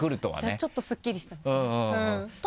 じゃあちょっとすっきりした。